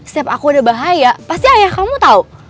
setiap aku ada bahaya pasti ayah kamu tahu